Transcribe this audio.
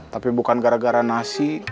tapi bukan gara gara nasi